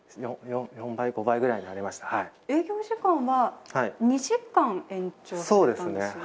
営業時間は２時間延長されたんですよね。